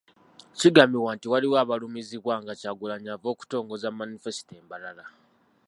Kigambibwa nti waliwo abaalumizibwa nga Kyagulanyi ava okutongoza Manifesito e Mbarara.